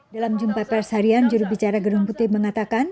dalam jumpa persaharian jurubicara gedung putih mengatakan